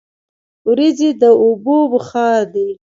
وریځې د اوبو بخار دي.